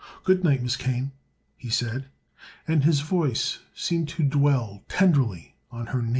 "Good night, Miss Kane," he said, and his voice seemed to dwell tenderly on her name.